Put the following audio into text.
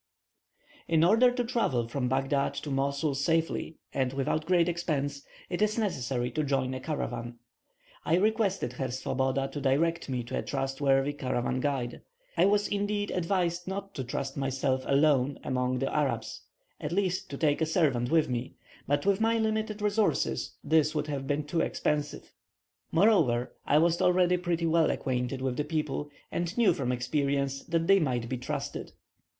In order to travel from Baghdad to Mosul safely, and without great expense, it is necessary to join a caravan. I requested Herr Swoboda to direct me to a trustworthy caravan guide. I was indeed advised not to trust myself alone among the Arabs, at least to take a servant with me; but with my limited resources this would have been too expensive. Moreover, I was already pretty well acquainted with the people, and knew from experience that they might be trusted.